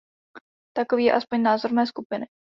Takový je alespoň názor mé skupiny.